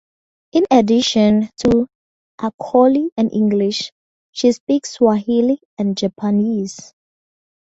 In addition to Acholi and English, she speaks Swahili and Japanese.